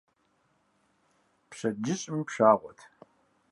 Пщэдджыжьым пшагъуэт.